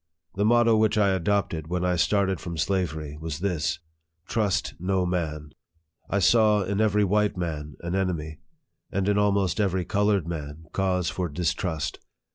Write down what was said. The motto which I adopted when I started from slavery was this " Trust no man !" I saw in every white man an enemy, and in almost every colored man cause fpr distrust.